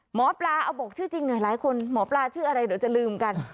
หมอปลาเอาบอกชื่อจริงหน่อยหลายคนหมอปลาชื่ออะไรเดี๋ยวจะลืมกัน